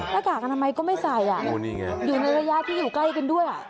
กากอนามัยก็ไม่ใส่อยู่ในระยะที่อยู่ใกล้กันด้วย